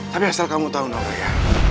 tapi asal kamu tau nora ya